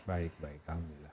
baik baik alhamdulillah